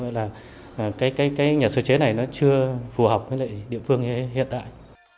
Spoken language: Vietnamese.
do vậy là cái nhà sơ chế này nó chưa phù hợp với địa phương hiện tại